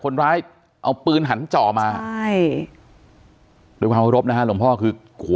คนร้ายเอาปืนหันจ่อมาใช่ด้วยความเคารพนะฮะหลวงพ่อคือขู่